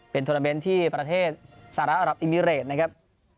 เป็นธุรกิจที่ประเทศสารับอิมิเรตนะครับ